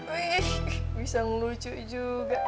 eh bisa ngelucu juga